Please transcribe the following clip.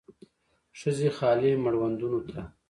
ښځې خالي مړوندونو ته